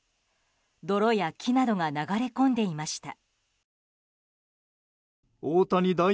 泥や木などが流れ込んでいました。